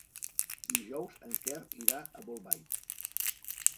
Dijous en Quer irà a Bolbait.